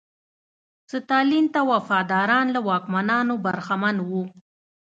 ستالین ته وفاداران له واکونو برخمن وو.